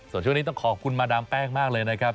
ส่วนช่วงนี้ต้องขอบคุณมาดามแป้งมากเลยนะครับ